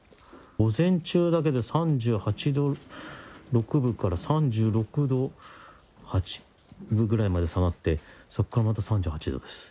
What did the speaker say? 午前中だけで３８度６分から３６度８分ぐらいまで下がって、そこからまた３８度です。